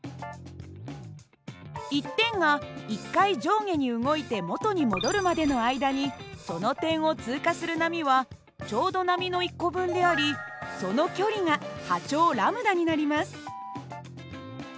１点が１回上下に動いて元に戻るまでの間にその点を通過する波はちょうど波の１個分でありその距離が波長λになります。